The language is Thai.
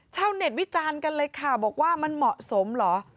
ชาวเน็ตวิจารณ์กันเลยค่ะบอกว่ามันเหมาะสมเหรอ